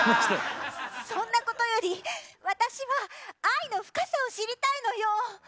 そんなことより私は愛の深さを知りたいのよ！